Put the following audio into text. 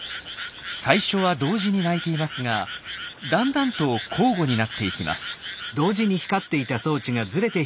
最初は同時に鳴いていますがだんだんと交互になっていきます。